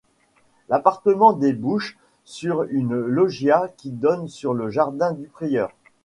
L'appartement débouche sur une loggia qui donne sur le jardin du prieur.